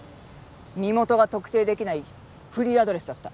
身元が特定できないフリーアドレスだった。